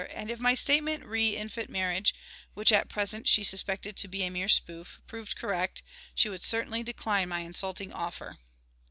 and if my statement re infant marriage (which at present she suspected to be a mere spoof) proved correct, she would certainly decline my insulting offer.